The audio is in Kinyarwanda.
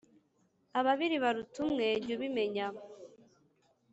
Ababiri baruta umwe jy’ubimeny